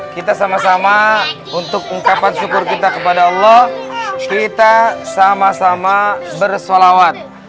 kita sama sama untuk ungkapan syukur kita kepada allah kita sama sama bersolawat